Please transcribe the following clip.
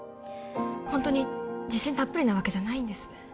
ホントに自信たっぷりなわけじゃないんです